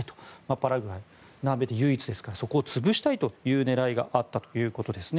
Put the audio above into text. パラグアイ、南米で唯一ですからそこを潰したいという狙いがあったということです。